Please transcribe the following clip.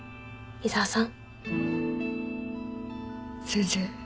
伊沢さん